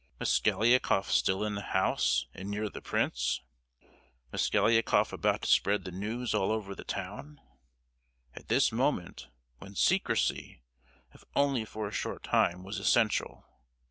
Mosgliakoff still in the house, and near the prince! Mosgliakoff about to spread the news all over the town! At this moment, when secrecy, if only for a short time, was essential!